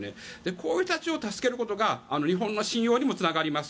こういう人たちを助けることが日本の信用にもつながります。